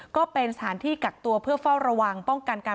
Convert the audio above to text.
ก็เป็นสถานที่กักตัวเพื่อเฝ้าระวังป้องกันการ